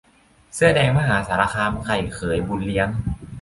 เสื้อแดงมหาสารคาม 'ไข่เขย-บุญเลี้ยง'